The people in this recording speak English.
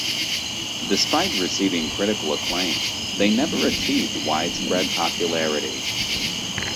Despite receiving critical acclaim, they never achieved widespread popularity.